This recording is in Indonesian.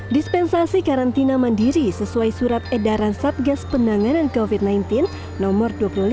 dispensasi karantina mandiri sesuai surat edaran satgas penanganan covid sembilan belas nomor dua puluh lima